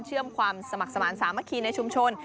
เชื่อมความสมัครสมาธิสามัคคีในชุมชน